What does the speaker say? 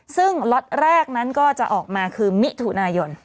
ซึ่งล็อตแรกนั้นก็จะออกมาคือมิถุนายน